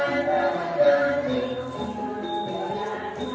การทีลงเพลงสะดวกเพื่อความชุมภูมิของชาวไทย